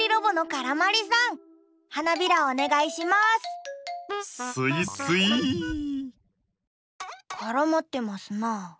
からまってますな。